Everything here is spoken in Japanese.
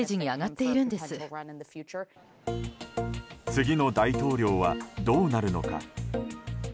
次の大統領はどうなるのか。